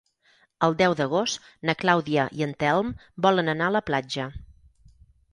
El deu d'agost na Clàudia i en Telm volen anar a la platja.